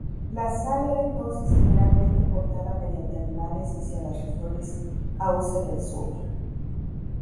La sal era entonces generalmente portada mediante animales hacia las regiones hausa del sur.